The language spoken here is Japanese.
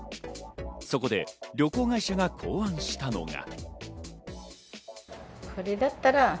そこで旅行会社が考案したのが。